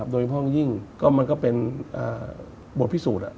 โดยเพราะมันก็เป็นบวกพิสูจน์